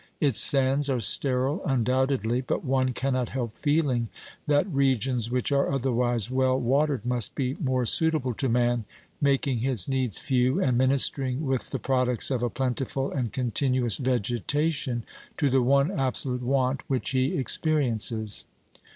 Its sands are sterile undoubtedly, but one cannot help feeling that regions which are otherwise well watered must be more suitable to man, making his needs few, and ministering with the products of a plentiful and continuous vegetation to the one absolute want which he experiences.